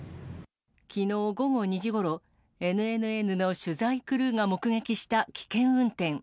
きのう午後２時ごろ、ＮＮＮの取材クルーが目撃した危険運転。